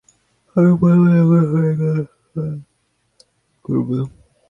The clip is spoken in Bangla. আমি প্রথমে জগৎসৃষ্টিপ্রকরণ সম্বন্ধে আলোচনা করিব।